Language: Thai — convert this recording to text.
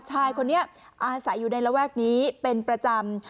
ชายคนนี้อาศัยอยู่ในระแวกนี้เป็นประจำ